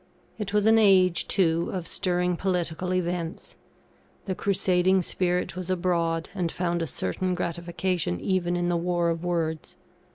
It was an age, too, of stirring political events; the crusading spirit was abroad, and found a certain gratification even in the war of words.